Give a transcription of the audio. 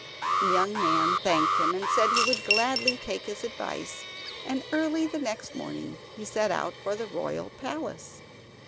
The young man thanked him, and said he would gladly take his advice; and early next morning he set out for the royal palace.